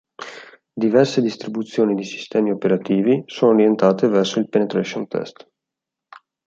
Diverse distribuzioni di sistemi operativi sono orientate verso il penetration test.